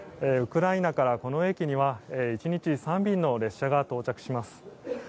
ウクライナからこの駅には１日３便の列車が到着します。